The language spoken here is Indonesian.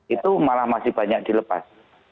itu malah masih banyak dilepas